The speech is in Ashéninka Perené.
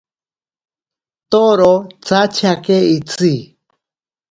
Toro tsatyake itsi.